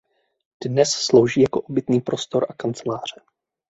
Dnes slouží jako obytný prostor a kanceláře.